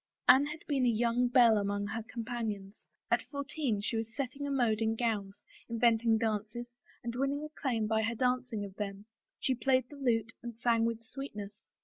Anne had been a young belle among her companions ; at fourteen she was setting a mode in gowns, inventing dances and winning acclaim by her dancing of them; she played the lute and sang with sweetness.